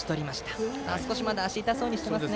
佐藤は少しまだ足を痛そうにしていますね。